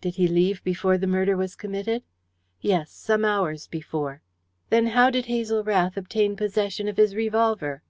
"Did he leave before the murder was committed?" "Yes; some hours before." "Then how did Hazel Rath obtain possession of his revolver?"